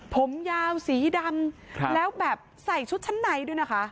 ผมยาวสีดำแล้วแบบใส่ชุดชั้นในด้วยนะคะ